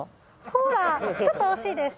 コーラちょっと惜しいです。